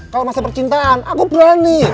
kalo masalah percintaan aku berani